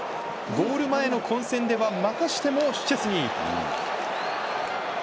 ゴール前の混戦ではまたしてもシュチェスニー。